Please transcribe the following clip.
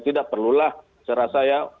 tidak perlulah secara saya